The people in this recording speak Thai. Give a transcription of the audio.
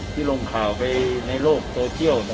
ที่ลงข่าวไปในโลกโตเจล